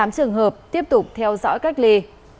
ba mươi tám trường hợp tiếp tục theo dõi cách ly